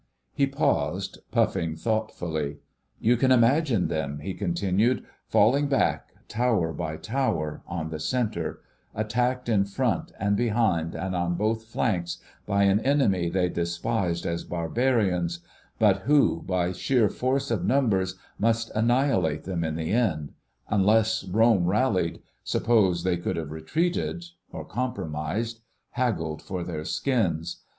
He paused, puffing thoughtfully. "You can imagine them," he continued, "falling back, tower by tower, on the centre: attacked in front and behind and on both flanks by an enemy they despised as barbarians, but who, by sheer force of numbers, must annihilate them in the end—unless Rome rallied, suppose they could have retreated—or compromised,—haggled for their skins.